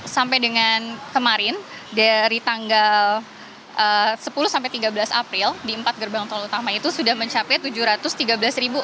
sampai dengan kemarin dari tanggal sepuluh sampai tiga belas april di empat gerbang tol utama itu sudah mencapai tujuh ratus tiga belas ribu